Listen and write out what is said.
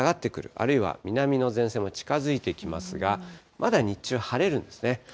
あるいは南の前線も近づいてきますが、まだ日中、晴れるんですね。